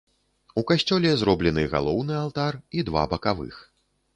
У касцёле зроблены галоўны алтар і два бакавых.